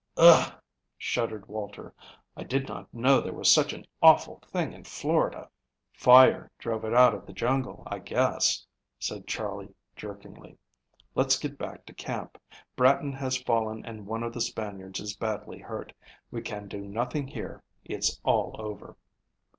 "Ugh!" shuddered Walter, "I did not know there was such an awful thing in Florida." "Fire drove it out of the jungle, I guess," said Charley jerkingly. "Let's get back to camp. Bratton has fallen and one of the Spaniards is badly hurt. We can do nothing here, it's all over."